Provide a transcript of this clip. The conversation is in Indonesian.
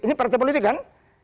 ini partai politik kan